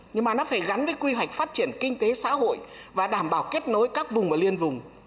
nhưng mà nó phải gắn với quy hoạch phát triển kinh tế xã hội và đảm bảo kết nối các vùng và liên vùng